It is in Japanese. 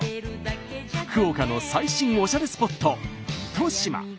福岡の最新おしゃれスポット糸島。